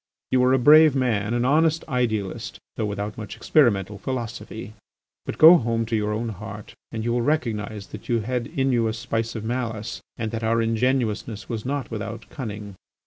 You were a brave man, an honest idealist, though without much experimental philosophy. But go home to your own heart and you will recognise that you had in you a spice of malice and that our ingenuousness was not without cunning.